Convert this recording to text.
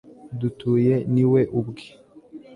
dutuye ni we ubwe